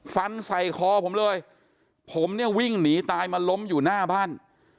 ฟันใส่คอผมเลยผมเนี่ยวิ่งหนีตายมาล้มอยู่หน้าบ้าน